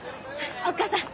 おっ母さん